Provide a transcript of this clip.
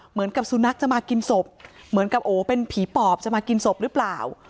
เหมือนกับสุนัขจะมากินศพเหมือนกับโอ้เป็นผีปอบจะมากินศพหรือเปล่า